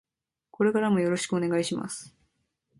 これからもよろしくお願いします。